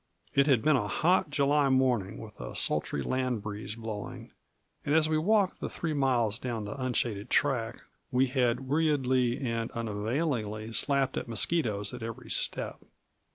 It had been a hot July morning with a sultry land breeze blowing, and as we walked the three miles down the unshaded track, we had weariedly and unavailingly slapped at mosquitoes at every step.